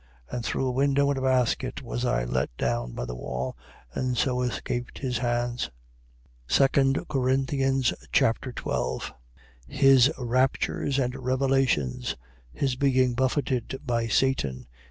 11:33. And through a window in a basket was I let down by the wall: and so escaped his hands. 2 Corinthians Chapter 12 His raptures and revelations, His being buffeted by Satan.